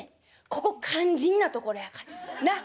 ここ肝心なところやからなっ。